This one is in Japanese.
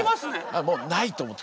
あっもうないと思って。